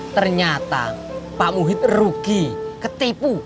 ternyata pak muhid rugi ketipu empat ratus juta